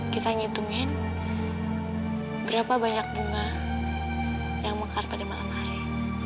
kita ngitungin berapa banyak bunga yang mekar pada malam hari